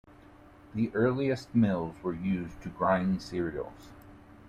These earliest mills were used to grind cereals.